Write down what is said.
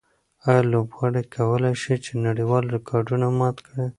آیا لوبغاړي کولای شي چې نړیوال ریکارډونه مات کړي؟